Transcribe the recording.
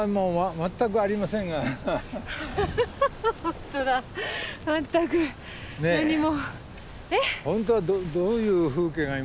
全く何も。